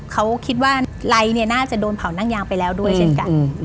เขาคิดว่าไร้เนี่ยน่าจะโดนเผานั่งยางไปแล้วด้วยเช่นกัน